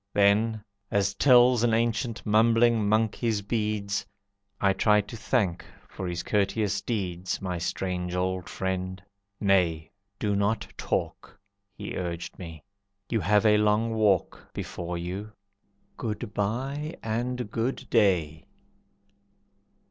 Then, as tells An ancient mumbling monk his beads, I tried to thank for his courteous deeds My strange old friend. "Nay, do not talk," He urged me, "you have a long walk Before you. Good by and Good day!"